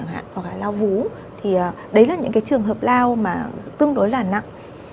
hoặc là lao vú thì đấy là những trường hợp lao tương đối là nặng